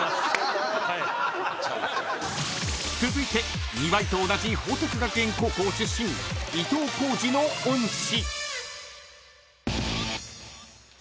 ［続いて庭井と同じ報徳学園高校出身伊東浩司の恩師］